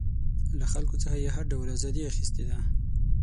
له خلکو څخه یې هر ډول ازادي اخیستې ده.